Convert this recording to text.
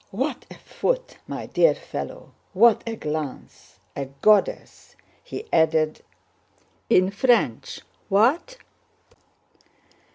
"What a foot, my dear fellow! What a glance! A goddess!" he added in French. "What?"